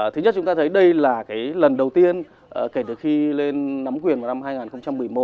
thứ nhất chúng ta thấy đây là lần đầu tiên kể từ khi lên nắm quyền vào năm hai nghìn một mươi một